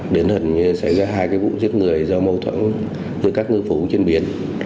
đến hẳn như xảy ra hai cái vụ giết người do mâu thuẫn giữa các ngư phú trên biển